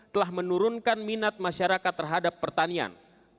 telah menurunkan minat masyarakat terhadap pertanian